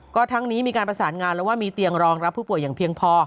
ก็ทั้งนี้มีการประสานงานแล้วว่ามีเตียงรองรับผู้ป่วยอย่างเพียงพอ